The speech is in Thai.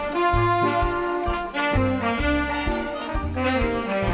โปรดติดตามตอนต่อไป